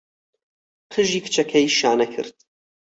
قژی کچەکەی شانە کرد.